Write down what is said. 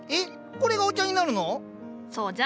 これがお茶になるの⁉そうじゃ。